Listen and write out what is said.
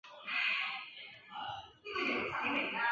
小脑深部核团是小脑的深部的解剖结构。